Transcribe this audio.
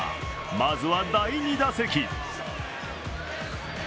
まずは第２打席。